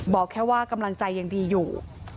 บอกแค่ว่ากำลังใจยังดีอยู่